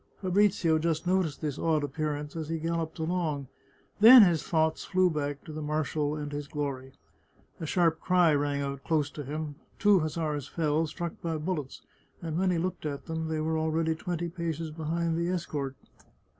Fabrizio just noticed this odd appearance as he galloped along ; then his thoughts fllew back to the marshal and his glory. A sharp cry rang out close to him; two hussars fell, struck by bullets, and when he looked at them, they were already twenty paces be hind the escort.